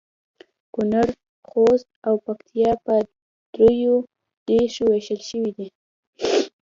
کونړ ، خوست او پکتیا په درو درو ویشل شوي دي